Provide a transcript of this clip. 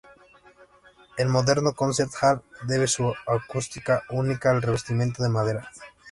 El moderno Concert Hall debe su acústica única al revestimiento de madera.